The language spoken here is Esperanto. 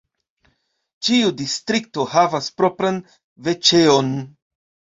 Ĉiu distrikto havas propran veĉeon.